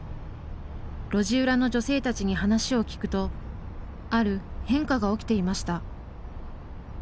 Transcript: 路地裏の女性たちに話を聞くとある変化が起きていました。